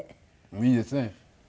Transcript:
いいですね。